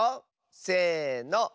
せの。